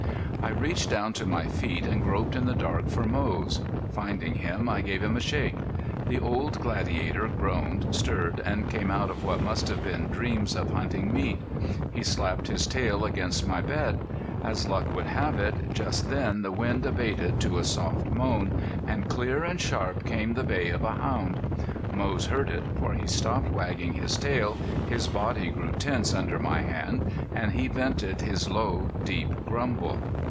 I reached down to my feet and groped in the dark for Moze. Finding him, I gave him a shake. The old gladiator groaned, stirred, and came out of what must have been dreams of hunting meat. He slapped his tail against my bed. As luck would have it, just then the wind abated to a soft moan, and clear and sharp came the bay of a hound. Moze heard it, for he stopped wagging his tail, his body grew tense under my hand, and he vented his low, deep grumble.